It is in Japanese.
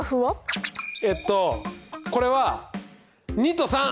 えっとこれは２と３。